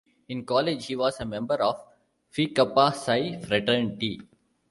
In college, he was a member of Phi Kappa Psi Fraternity.